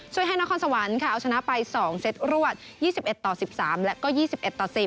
ให้นครสวรรค์ค่ะเอาชนะไป๒เซตรวด๒๑ต่อ๑๓และก็๒๑ต่อ๔